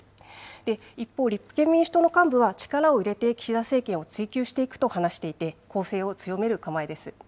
一方、立憲民主党の幹部は、力を入れて岸田政権を追及していくと話していて、攻勢を強める構えです。